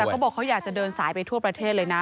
แต่เขาบอกเขาอยากจะเดินสายไปทั่วประเทศเลยนะ